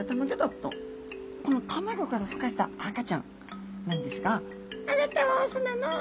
このたまギョからふ化した赤ちゃんなんですがあなたはオスなの？